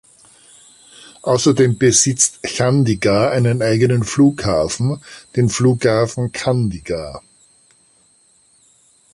Außerdem besitzt Chandigarh einen eigenen Flughafen, den Flughafen Chandigarh.